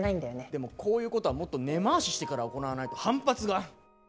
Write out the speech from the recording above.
でもこういうことはもっと根回ししてから行わないと反発が。